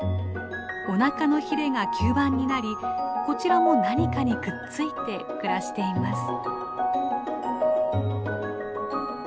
おなかのヒレが吸盤になりこちらも何かにくっついて暮らしています。